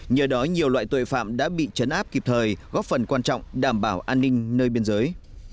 nhờ đó nhiều loại tội phạm đã bị chấn áp kịp thời góp phần quan trọng đảm bảo an ninh nơi biên giới